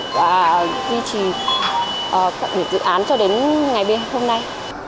và duy trì các dự án cho đến ngày bây hôm nay